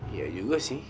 iya juga sih